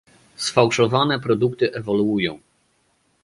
Sfałszowane produkty ewoluują